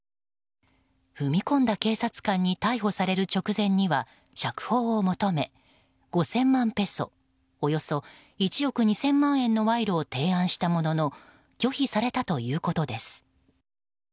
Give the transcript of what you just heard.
踏み込んだ警察官に逮捕される直前には釈放を求め５０００万ペソおよそ１億２０００万円の賄賂を提案したものの拒否されたということです。